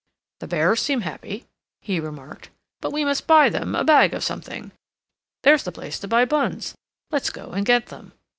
"The bears seem happy," he remarked. "But we must buy them a bag of something. There's the place to buy buns. Let's go and get them."